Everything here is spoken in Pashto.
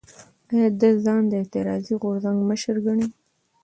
ایا ده ځان د اعتراضي غورځنګ مشر ګڼي؟